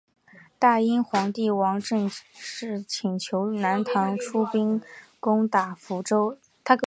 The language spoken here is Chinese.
大殷皇帝王延政请求南唐出兵攻打福州。